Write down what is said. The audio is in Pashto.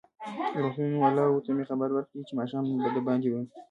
روغتون والاوو ته مې خبر ورکړ چې ماښام به دباندې یم.